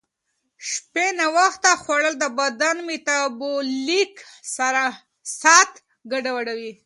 شپې ناوخته خوړل د بدن میټابولیک ساعت ګډوډوي.